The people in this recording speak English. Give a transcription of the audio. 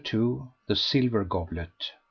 THE SILVER GOBLET.